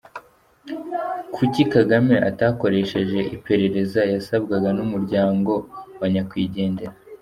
Kuki Kagame atakoresheje iperereza yasabwaga n’umuryango wa nyakwigendera ?